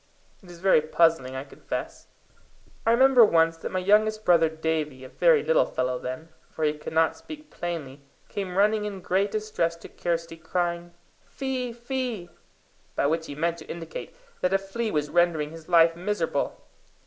It is very puzzling, I confess. I remember once that my youngest brother Davie, a very little fellow then, for he could not speak plainly, came running in great distress to Kirsty, crying, "Fee, fee!" by which he meant to indicate that a flea was rendering his life miserable.